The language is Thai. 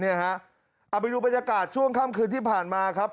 เอาไปดูบรรยากาศช่วงค่ำคืนที่ผ่านมาครับ